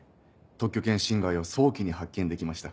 特許権侵害を早期に発見できました。